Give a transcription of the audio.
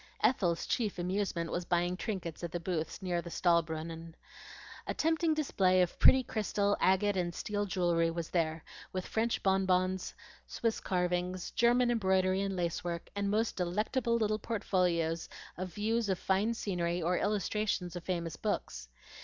Ethel's chief amusement was buying trinkets at the booths near the Stahlbrunnen. A tempting display of pretty crystal, agate, and steel jewelry was there, with French bonbons, Swiss carvings, German embroidery and lace work, and most delectable little portfolios of views of fine scenery or illustrations of famous books.